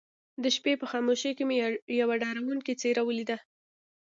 د شپې په خاموشۍ کې مې يوه ډارونکې څېره وليده.